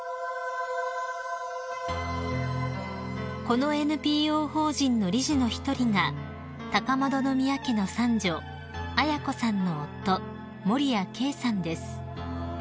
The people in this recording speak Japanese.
［このＮＰＯ法人の理事の一人が高円宮家の三女絢子さんの夫守谷慧さんです］